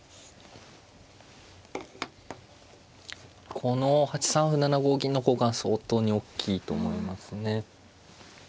この８三歩７五銀の交換は相当におっきいと思いますね。